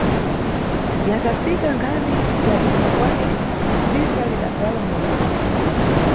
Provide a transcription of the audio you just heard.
Yatafika nkhani ya kufa kwace, dzinza lidabvala muliro.